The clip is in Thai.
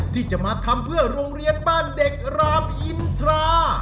ที่จะมาทำเพื่อโรงเรียนบ้านเด็กรามอินทรา